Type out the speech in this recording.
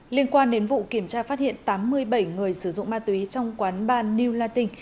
liên quan đến vụ kiểm tra phát hiện tám mươi bảy người sử dụng ma túy trong quán ban new latin